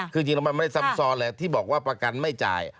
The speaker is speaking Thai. คือจริงแล้วมันไม่ได้ซ้ำซ้อนเลยที่บอกว่าประกันไม่จ่าย